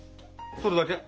それだけ？